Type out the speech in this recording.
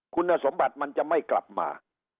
คุณสมบัติมันจะไม่กลับมา